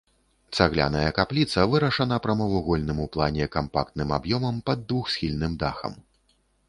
Цагляная капліца вырашана прамавугольным у плане кампактным аб'ёмам пад двухсхільным дахам.